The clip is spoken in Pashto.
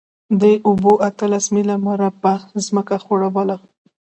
دې اوبو اتلس میله مربع ځمکه خړوبوله.